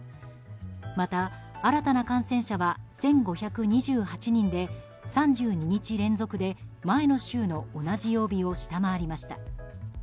また、新たな感染者は１５２８人で３２日連続で前の週の同じ曜日を下回りました。